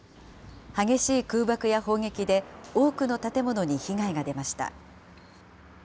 激しい空爆や砲撃で多くの建物に被害が出ました。